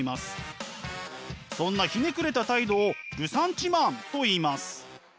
そんなひねくれた態度をルサンチマンといいます。